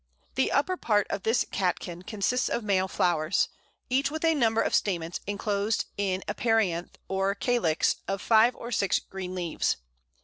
The upper part of this catkin consists of male flowers, each with a number of stamens enclosed in a perianth or calyx of five or six green leaves.